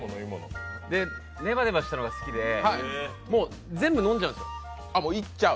ネバネバしたのが好きで、もう全部飲んじゃうんです。